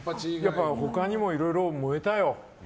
他にもいろいろ燃えたよ。